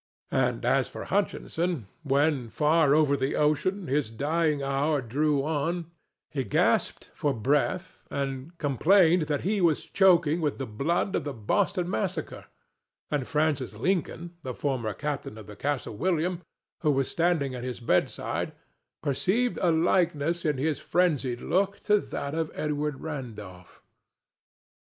And, as for Hutchinson, when, far over the ocean, his dying hour drew on, he gasped for breath and complained that he was choking with the blood of the Boston Massacre, and Francis Lincoln, the former captain of Castle William, who was standing at his bedside, perceived a likeness in his frenzied look to that of Edward Randolph.